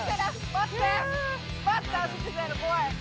待って足ついてないの怖い！